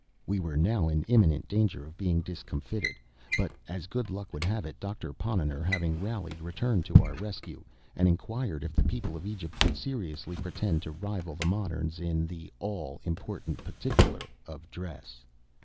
We were now in imminent danger of being discomfited; but, as good luck would have it, Doctor Ponnonner, having rallied, returned to our rescue, and inquired if the people of Egypt would seriously pretend to rival the moderns in the all important particular of dress.